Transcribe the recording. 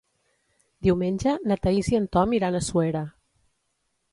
Diumenge na Thaís i en Tom iran a Suera.